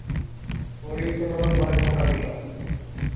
গরীব, ছোটলোক বলে খোটা দিল।